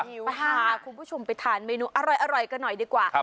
พาคุณผู้ชมไปทานเมนูอร่อยกันหน่อยดีกว่า